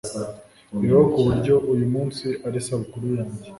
Bibaho kuburyo uyumunsi ari isabukuru yanjye